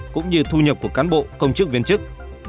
cũng như thu nhập của cán bộ công chức viên chức